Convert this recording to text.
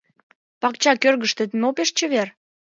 Пакча кӧргыштет мо пеш чевер?